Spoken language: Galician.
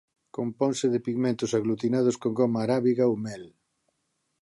Componse de pigmentos aglutinados con goma arábiga ou mel.